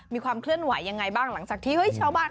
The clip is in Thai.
มีความเคลื่อนไหวยังไงบ้างหลังจากที่เฮ้ยชาวบ้าน